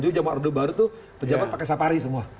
dulu jawa ardu baru tuh pejabat pakai safari semua